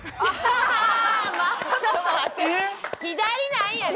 ちょっと待って左なんやねん？